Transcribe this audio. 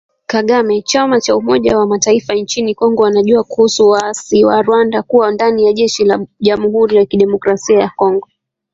Kagame: Chama cha Umoja wa Mataifa inchini Kongo wanajua kuhusu waasi wa Rwanda kuwa ndani ya jeshi la Jamuhuri ya kidemokrasia ya kongo